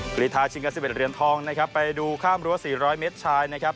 กรีธาชิงกะสิบเอิญเรียนทองนะครับไปดูข้ามรั้วสี่ร้อยเมตรชายนะครับ